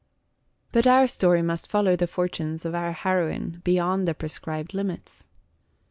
But our story must follow the fortunes of our heroine beyond the prescribed limits.